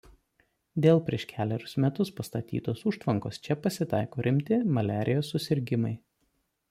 Dėl prieš kelerius metus pastatytos užtvankos čia pasitaiko rimti maliarijos susirgimai.